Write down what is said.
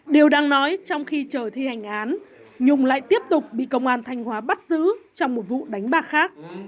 điều đáng nói trong khi chờ thi hành án nhung lại tiếp tục bị công an thanh hóa bắt giữ trong một vụ đánh bạc khác